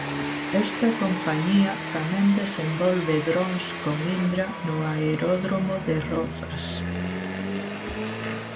Esta compañía tamén desenvolve drons con Indra no aeródromo de Rozas.